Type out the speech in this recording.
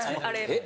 えっ？